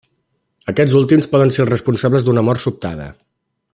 Aquests últims poden ser els responsables d’una mort sobtada.